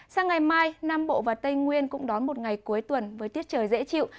sang ngày mai nam bộ và tây nguyên cũng đón một ngày cuối tuần với tiết trời dễ chịu